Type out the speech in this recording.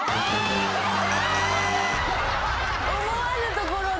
思わぬところで。